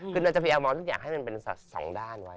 คือเราจะพรีอำมองทุกอย่างให้มันเป็นสองด้านไว้